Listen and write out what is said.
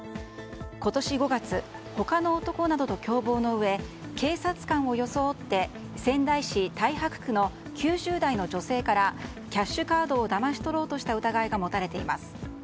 今年５月他の男などと共謀のうえ警察官を装って仙台市太白区の９０代の女性からキャッシュカードをだまし取ろうとした疑いが持たれています。